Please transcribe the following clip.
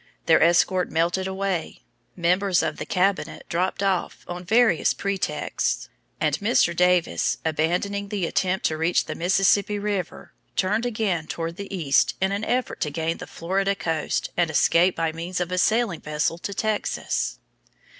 Their escort melted away; members of the cabinet dropped off on various pretexts, and Mr. Davis, abandoning the attempt to reach the Mississippi River, turned again toward the east in an effort to gain the Florida coast and escape by means of a sailing vessel to Texas.